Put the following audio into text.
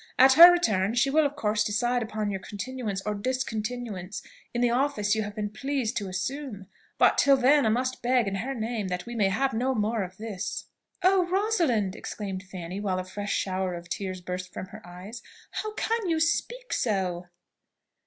At her return she will of course decide upon your continuance, or discontinuance, in the office you have been pleased to assume; but, till then, I must beg, in her name, that we may have no more of this." "Oh! Rosalind!" exclaimed Fanny, while a fresh shower of tears burst from her eyes, "how can you speak so!"